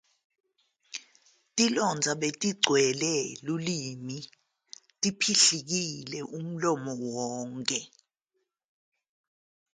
Izilonda zazigcwele ulimi ziphihlike umlomo wonke.